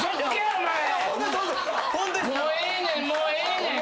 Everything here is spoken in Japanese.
もうええねんもうええねん。